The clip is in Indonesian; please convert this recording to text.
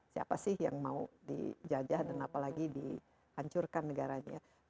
siapa sih yang mau dijajah dan apalagi dihancurkan negaranya